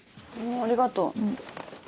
ありがとう。